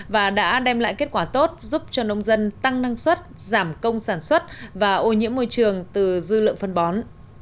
và đã đem lại kết quả tốt giúp cho nông dân tăng năng suất giảm công sản xuất và ô nhiễm môi trường từ dư lượng phân bó